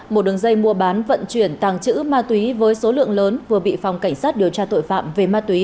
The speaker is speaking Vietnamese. một đường dây mua bán vận chuyển tàng trữ ma túy với số lượng lớn vừa bị phòng cảnh sát điều tra tội phạm về ma túy